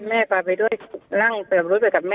แม่พาไปด้วยนั่งเสริมรุดไปกับแม่